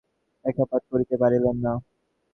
কিন্তু তিনি তোমার মনে কোন রেখাপাত করিতে পারিলেন না।